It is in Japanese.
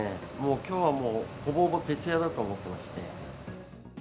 きょうはもうほぼほぼ徹夜だと思ってまして。